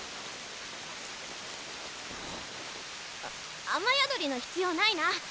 あ雨宿りの必要ないな。